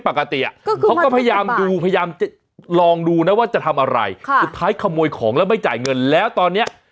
เขาก็พยายามดูพยายามจะลองดูนะว่าจะทำอะไรสุดท้ายขโมยของแล้วไม่จ่ายเงินแล้วตอนนี้